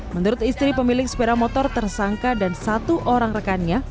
menurut istri pemilik sepeda motor tersangka dan satu orang rekannya